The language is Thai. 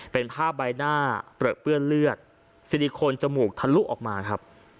เป็นภาพใบหน้าเปลือเปื้อนเลือดซิลิโคนจมูกทะลุออกมาครับ